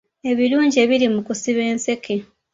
Ebirungi ebiri mu kusiba enseke.